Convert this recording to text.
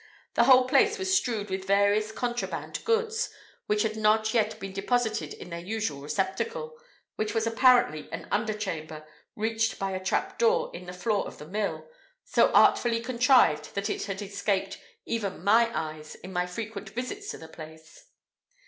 The whole place was strewed with various contraband goods, which had not yet been deposited in their usual receptacle, which was apparently an under chamber, reached by a trap door in the floor of the mill, so artfully contrived that it had escaped even my eyes in my frequent visits to the place.